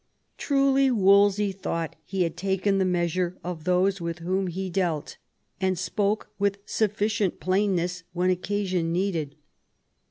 Truly Wolsey thought he had taken the measure of those with whom he dealt, and spoke with sufficient plainness when occasion needed.